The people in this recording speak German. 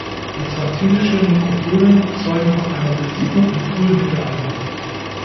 Byzantinische Nekropolen zeugen von einer Besiedlung im frühen Mittelalter.